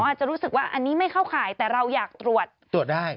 อาจจะรู้สึกว่าอันนี้ไม่เข้าข่ายแต่เราอยากตรวจตรวจได้